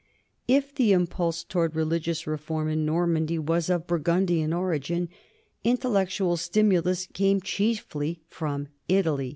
If the impulse toward religious reform in Normandy was of Burgundian origin, intellectual stimulus came chiefly from Italy.